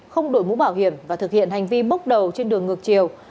không đổi mũ bảo hiểm và thực hiện hành vi bốc đầu trên đường ngược chiều